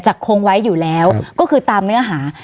คงไว้อยู่แล้วก็คือตามเนื้อหา